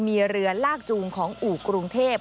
มีเรือลากจูงของอู่กรุงเทพ